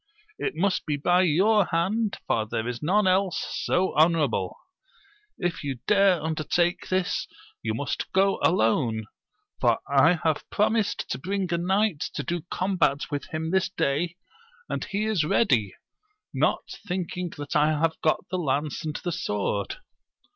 It must be by your hand, for there is none else so honourable. K you dare undertake this, you must go alone, for I have pro mised to bring a knight to do combat with him this day, and he is ready, not thinking that I have got the lance and the sword.